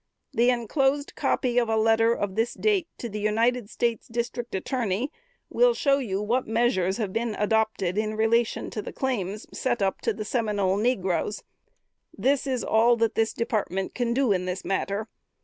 "The enclosed copy of a letter of this date to the United States District Attorney will show you what measures have been adopted in relation to the claims set up to the Seminole negroes. This is all that this Department can do in this matter.